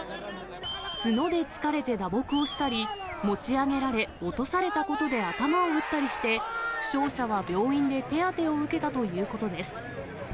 角で突かれて打撲をしたり、持ち上げられ、落とされたことで頭を打ったりして、負傷者は病院で手当てを受けたということです。